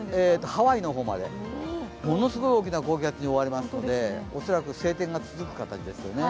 ハワイの方まで、ものすごい大きな高気圧に覆われまして恐らく晴天が続く形ですよね。